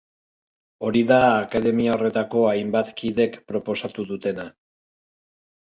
Hori da akademia horretako hainbat kidek proposatu dutena.